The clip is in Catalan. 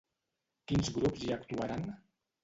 Quins grups hi actuaran?